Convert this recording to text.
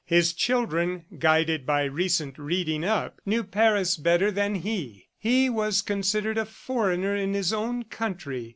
His children, guided by recent reading up, knew Paris better than he. He was considered a foreigner in his own country.